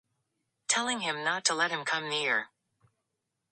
Telling him not to let him come near.